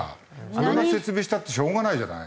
それが説明したってしょうがないじゃない。